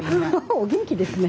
お元気ですね。